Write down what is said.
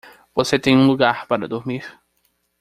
Você tem um lugar para dormir?